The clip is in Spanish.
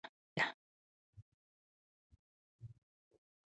Coronando la fachada llama la atención el impresionante alero de madera.